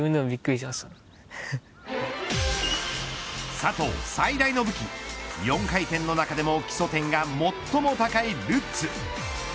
佐藤、最大の武器４回転の中でも基礎点が最も高いルッツ。